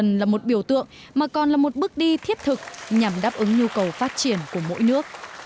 đơn thuần là một biểu tượng mà còn là một bước đi thiếp thực nhằm đáp ứng nhu cầu phát triển của mỗi nước